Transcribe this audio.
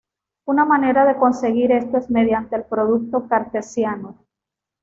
Una manera de conseguir esto es mediante el producto cartesiano.